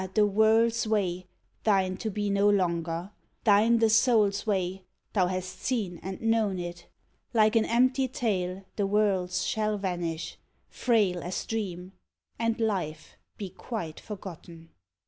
the world's way thine to be no longer ; Thine the soul's way, thou hast seen and known it ! Like an empty tale the worlds shall vanish, Frail as dream, and life be quite forgotten.